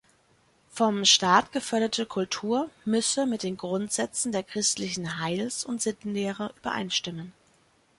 Vom Staat geförderte Kultur müsse „mit den Grundsätzen der christlichen Heils- und Sittenlehre übereinstimmen“.